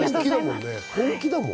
本気だもん。